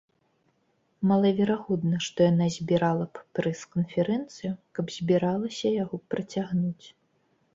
Малаверагодна, што яна збірала б прэс-канферэнцыю, каб збіралася яго працягнуць.